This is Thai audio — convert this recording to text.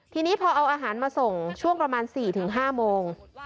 ทีนี้พอเอาอาหารมาส่งช่วงประมาณ๔๕โมง